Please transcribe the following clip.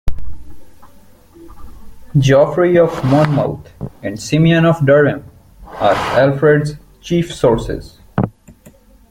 Geoffrey of Monmouth and Simeon of Durham are Alfred's chief sources.